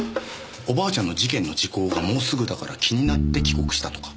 おばあちゃんの事件の時効がもうすぐだから気になって帰国したとか。